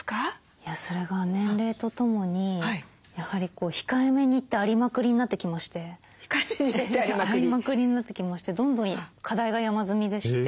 いやそれが年齢とともにやはりこうありまくりになってきましてどんどん課題が山積みでして。